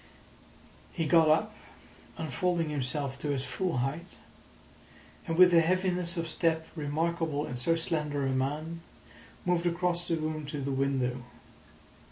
He got up, unfolding himself to his full height, and with a heaviness of step remarkable in so slender a man, moved across the room to the window.